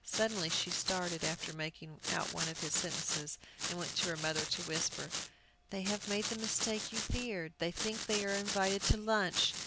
Suddenly she started after making out one of his sentences, and went to her mother to whisper, "They have made the mistake you feared. They think they are invited to lunch!